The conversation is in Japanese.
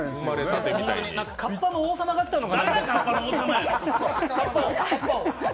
カッパの王様が来たのかなって。